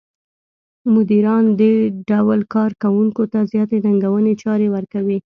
مديران دې ډول کار کوونکو ته زیاتې ننګوونکې چارې ورکوي.